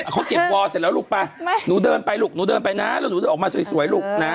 เขาเก็บวอร์เสร็จแล้วลูกไปหนูเดินไปลูกหนูเดินไปนะแล้วหนูเดินออกมาสวยลูกนะ